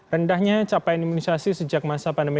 rendahnya capaian imunisasi sejak masa pandemi